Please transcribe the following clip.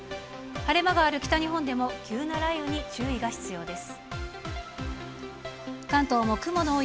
晴れ間がある北日本でも急な雷雨に注意が必要です。